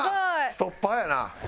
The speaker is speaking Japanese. ストッパーやな。